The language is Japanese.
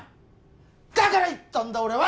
だから言ったんだ俺は！